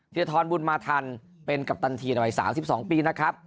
ที่จะท้อนบุญมาทันเป็นกัปตันทีในวัยสามสิบสองปีนะครับ